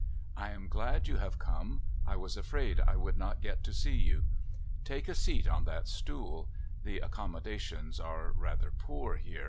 " I am glad you have come — I was afraid I would not get to see you. Take a seat on that stool — the accommodations are rather poor here."